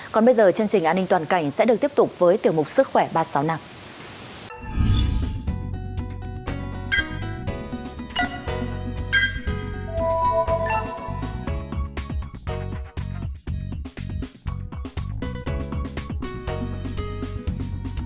còn bây giờ chương trình an ninh toàn cảnh sẽ được tiếp tục với tiểu mục sức khỏe ba sáu năm